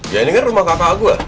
ya ini kan rumah kakak aku